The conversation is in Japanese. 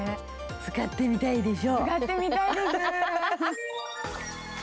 使ってみたいでしょ？